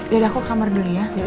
dari aku ke kamar dulu ya